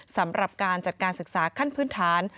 สำหรับการจัดการศึกษาขั้นพื้นฐาน